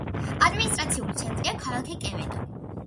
ადმინისტრაციული ცენტრია ქალაქი კევედო.